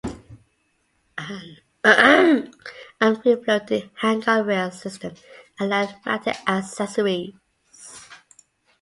An free-floating handguard rail system allowed mounting accessories.